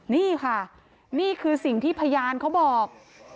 นี่ค่ะนี่คือสิ่งที่พยานเขาบอก